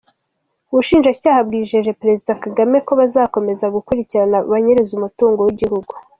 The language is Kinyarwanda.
Ubushinjacyaha bwijeje Perezida Kagame ko buzakomeza gukurikirana abanyereza umutungo w’igihugu.